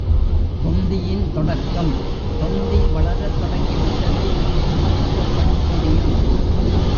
தொந்தியின் தொடக்கம் தொந்தி வளரத் தொடங்கிவிட்டது நமக்கு எப்படி தெரியும்?